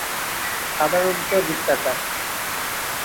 সাধারণত বৃত্তাকার।